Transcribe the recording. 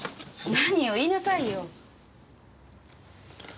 何よ言いなさいよ。